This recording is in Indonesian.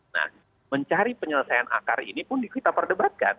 nah mencari penyelesaian akar ini pun kita perdebatkan